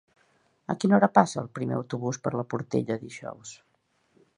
A quina hora passa el primer autobús per la Portella dijous?